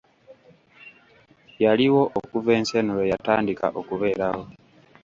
Yaliwo okuva ensi eno lweyatandika okubeerawo.